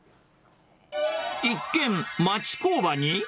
一見、町工場に。